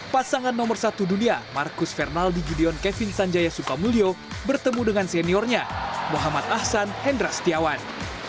pasangan nomor satu dunia marcus fernaldi gideon kevin sanjaya sukamulyo bertemu dengan seniornya muhammad ahsan hendra setiawan